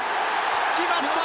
決まった！